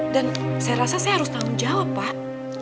dan saya rasa saya harus tanggung jawab pak